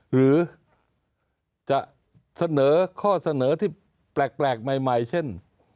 หรือจะเสนอข้อเสนอที่แปลกใหม่เช่น